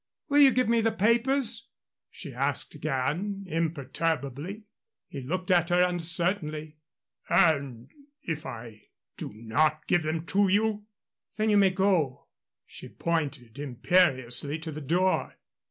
"Will you give me the papers?" she asked again, imperturbably. He looked at her uncertainly. "And if I do not give them to you?" "Then you may go." She pointed imperiously to the door.